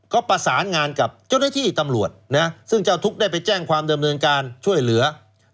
ก็ประสานงานกับเจ้าหน้าที่ตำรวจนะซึ่งเจ้าทุกข์ได้ไปแจ้งความเดิมเนินการช่วยเหลือ